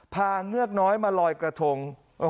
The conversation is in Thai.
เงือกน้อยมาลอยกระทง